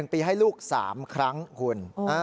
๑ปีให้ลูก๓ครั้งคุณ